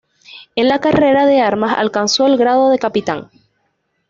En la carrera de armas alcanzó el grado de capitán.